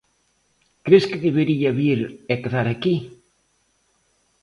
Cres que debería vir e quedar aquí?